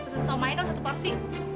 pesan somayah dong satu porsi